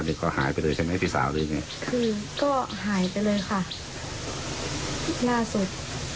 อันนี้ก็หายไปเลยใช่ไหมพี่สาวเรื่องนี้คือก็หายไปเลยค่ะหน้าสุด